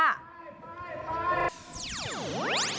ไป